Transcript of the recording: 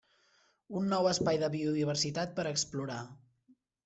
Un nou espai de biodiversitat per explorar.